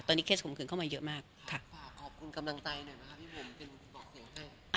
ตอนนี้เคสขมขืนเข้ามาเยอะมากค่ะ